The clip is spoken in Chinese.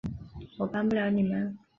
我帮不了你们